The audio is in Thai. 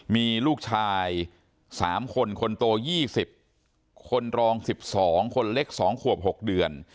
มีลูกชาย๓คนคนโต๒๐คนรอง๑๒คนเล็ก๒ขวบ๖เดือน